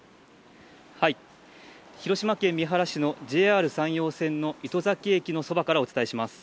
広島県三原市のＪＲ山陽線の糸崎駅のそばからお伝えします。